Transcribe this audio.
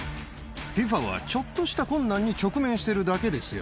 ＦＩＦＡはちょっとした困難に直面してるだけですよ。